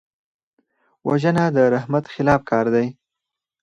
وژنه د رحمت خلاف کار دی